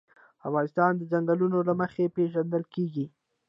افغانستان د ځنګلونه له مخې پېژندل کېږي.